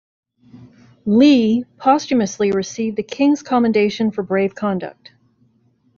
Leigh posthumously received the King's Commendation for Brave Conduct.